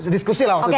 diskusi lah waktu itu